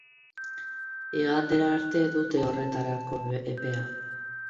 Igandera arte dute horretarako epea.